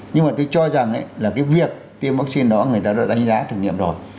nhưng mà tôi cho rằng là cái việc tiêm vaccine đó người ta đã đánh giá thử nghiệm rồi